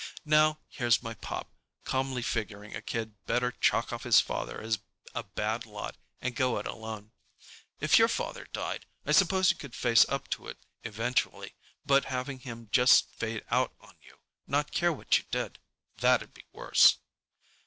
Now here's my pop calmly figuring a kid better chalk off his father as a bad lot and go it alone. If your father died, I suppose you could face up to it eventually, but having him just fade out on you, not care what you did—that'd be worse.